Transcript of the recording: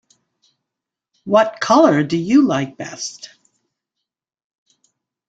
What color do you like best?